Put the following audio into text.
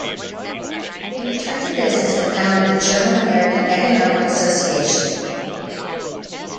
He returned to business and founded the German-American Economic Association.